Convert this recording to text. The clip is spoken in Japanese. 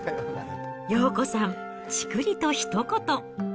洋子さん、ちくりとひと言。